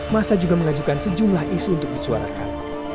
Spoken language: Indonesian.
masa juga mengajukan sejumlah isu untuk disuarakan